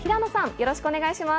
よろしくお願いします。